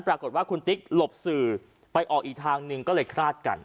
ปรากฏว่าคุณติ๊กหลบสื่อไปออกอีกทางหนึ่งก็เลยคลาดกัน